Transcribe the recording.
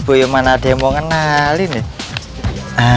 boyo mana ada yang mau kenalin ya